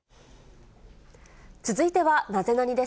続いてはナゼナニっ？